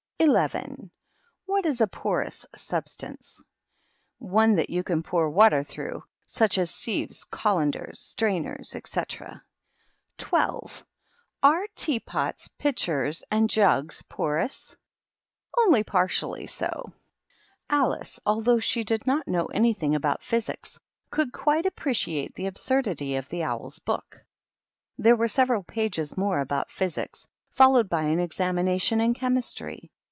11. What is a porous substance? One that you can pour water through ; such as sieves, colanders, strainers, etc. IS. Are tea pots, pitchers, and jugs porous f Only partially so." 208 THE KINDERGARTEN. Alice, although she did not know anything about Physics, could quite appreciate the absurdity of the owl's book. There were several pages more about Physics, followed by an examination in Chemistry.